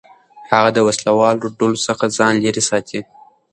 هغه د وسلهوالو ډلو څخه ځان لېرې ساتي.